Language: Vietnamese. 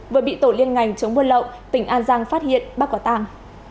vừa bị tổ liên ngành chống buôn lậu tỉnh an giang phát hiện bắt quả tàng